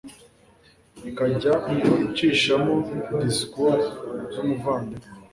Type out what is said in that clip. ikajya icishaho disikuru z umuvandimwe